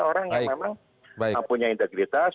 orang yang memang punya integritas